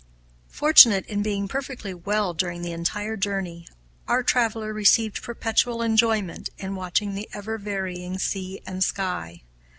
Fortunate in being perfectly well during the entire voyage, our traveler received perpetual enjoyment in watching the ever varying sea and sky.